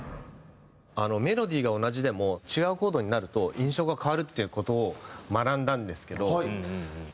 メロディーが同じでも違うコードになると印象が変わるっていう事を学んだんですけど。